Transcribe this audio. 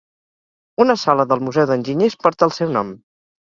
Una sala del Museu d’Enginyers porta el seu nom.